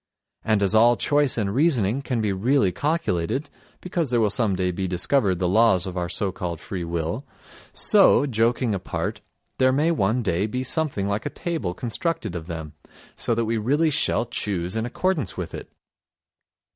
And as all choice and reasoning can be really calculated—because there will some day be discovered the laws of our so called free will—so, joking apart, there may one day be something like a table constructed of them, so that we really shall choose in accordance with it.